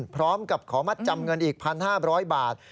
พร้อมกับขอมัดจำเงินอีก๑๕๐๐บาท